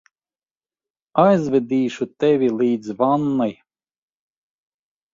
Aizvedīšu tevi līdz vannai.